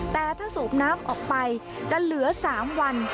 แต่ถ้าสูบน้ำออกไปจะเหลือ๓วัน